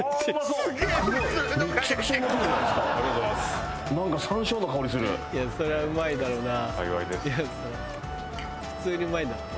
「そりゃうまいだろうな」